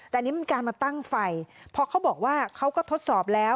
แต่อันนี้มันการมาตั้งไฟพอเขาบอกว่าเขาก็ทดสอบแล้ว